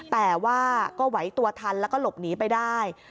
แต่ว่าก็ไหวตัวทันแล้วก็หลบหนีไปได้